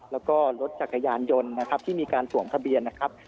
แล้วก็รถจักรยานยนต์นะครับที่มีการสวมทะเบียนนะครับ